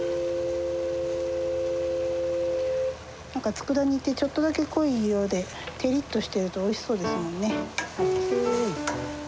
何かつくだ煮ってちょっとだけ濃い色で照りっとしてるとおいしそうですもんね。